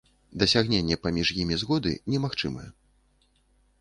Дасягненне паміж імі згоды немагчымае.